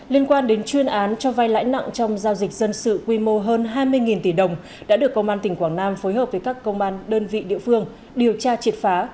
liên quan đến chuyên án cho vai lãi nặng trong giao dịch dân sự quy mô hơn hai mươi tỷ đồng đã được công an tỉnh quảng nam phối hợp với các công an đơn vị địa phương điều tra triệt phá